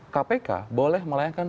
kpk boleh melayankan